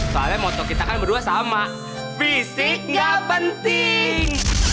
soalnya moto kita kan berdua sama fisik gak penting